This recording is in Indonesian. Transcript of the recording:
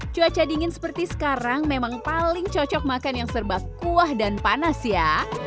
cuaca dingin seperti sekarang memang paling cocok makan yang serba kuah dan panas ya